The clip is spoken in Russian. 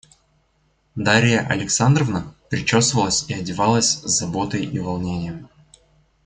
Дарья Александровна причесывалась и одевалась с заботой и волнением.